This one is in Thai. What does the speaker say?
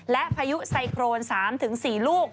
และพายุไซโครน๓๔ลูก